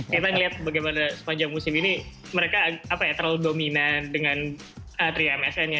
kita melihat bagaimana sepanjang musim ini mereka terlalu dominan dengan tiga msn nya